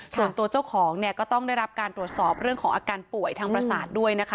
ส่วนตัวเจ้าของเนี่ยก็ต้องได้รับการตรวจสอบเรื่องของอาการป่วยทางประสาทด้วยนะคะ